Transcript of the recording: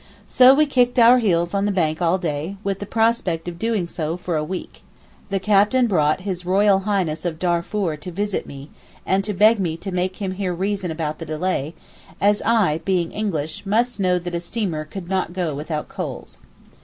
So we kicked our heels on the bank all day, with the prospect of doing so for a week. The captain brought H.R.H. of Darfoor to visit me, and to beg me to make him hear reason about the delay, as I, being English, must know that a steamer could not go without coals.